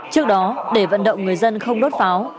trước đó để vận động người dân không đốt pháo